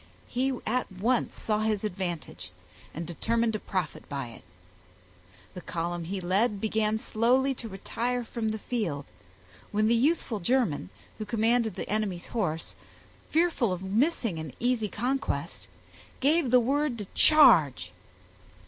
He at once saw his advantage, and determined to profit by it. The column he led began slowly to retire from the field, when the youthful German, who commanded the enemy's horse, fearful of missing an easy conquest, gave the word to charge.